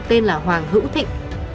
tên là hoàng hữu thịnh